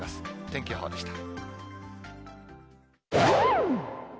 天気予報でした。